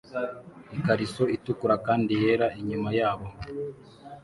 ikariso itukura kandi yera inyuma yabo